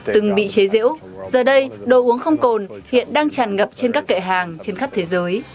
từng bị chế diễu giờ đây đồ uống không cồn hiện đang tràn ngập trên các kệ hàng trên khắp thế giới